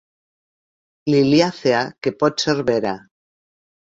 Liliàcia que pot ser vera.